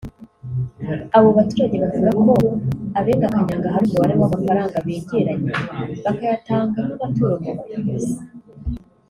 Abo baturage bavuga ko abenga Kanyanga hari umubare w’amafaranga begeranya bakayatanga nk’amaturo mu bayobozi